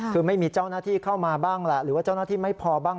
คือไม่มีเจ้าหน้าที่เข้ามาบ้างแหละหรือว่าเจ้าหน้าที่ไม่พอบ้าง